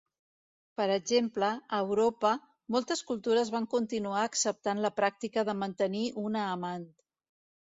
Per exemple, a Europa, moltes cultures van continuar acceptant la pràctica de mantenir una amant.